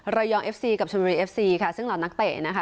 รายองเอฟซีกับชมบุลีเอฟซีซึ่งหล่อนักเต่นะค่ะ